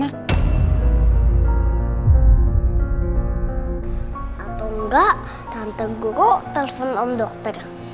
atau enggak kanteng guru telepon om dokter